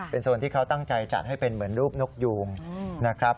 โซนที่เขาตั้งใจจัดให้เป็นเหมือนรูปนกยูงนะครับ